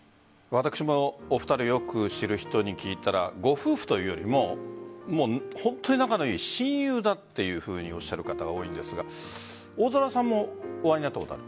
私もお二人をよく知る人に聞いたらご夫婦というよりも本当に仲の良い親友だというふうにおっしゃる方が多いんですが大空さんもお会いになったことある？